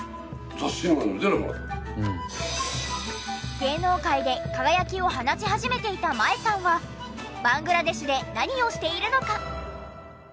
芸能界で輝きを放ち始めていた麻恵さんはバングラデシュで何をしているのか？